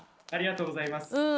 ありがとうございます。